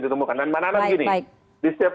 ditemukan dan mbak nana begini di setiap